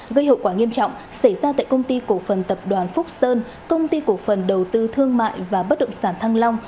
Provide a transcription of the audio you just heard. gây hậu quả nghiêm trọng xảy ra tại công ty cổ phần tập đoàn phúc sơn công ty cổ phần đầu tư thương mại và bất động sản thăng long